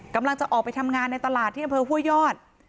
กำลังจะออกไปทำงานในตลาดที่อำเภอห้วยยอด